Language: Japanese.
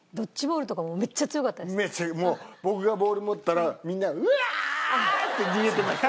めっちゃもう僕がボール持ったらみんな「うわ！」って逃げてました。